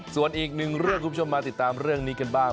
ส่วนอีกรายการของคุณมาติดตามเรื่องนี้กันบ้าง